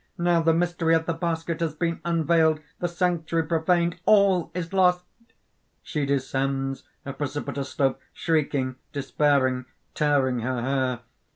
Now the mystery of the basket has been unveiled; the sanctuary profaned: all is lost!" (_She descends a precipitous slope shrieking, despairing, tearing her hair.